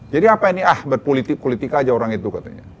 apa ini ah berpolitik politik aja orang itu katanya